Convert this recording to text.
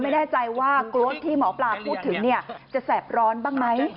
ไม่แน่ใจว่ากลัวที่หมอปลาพูดถึงจะแสบร้อนบ้างไหม